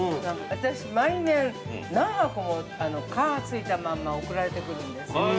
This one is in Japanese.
◆私、毎年、何箱も皮がついたまま送られてくるんです。